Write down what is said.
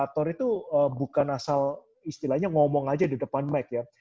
aktor itu bukan asal istilahnya ngomong aja di depan mac ya